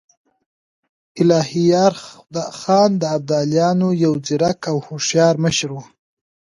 الهيار خان د ابدالیانو يو ځيرک او هوښیار مشر و.